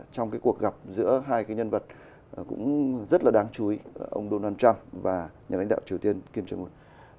trong cuộc gặp giữa hai nhân vật cũng rất là đáng chú ý ông donald trump và nhà lãnh đạo triều tiên kim trương nguồn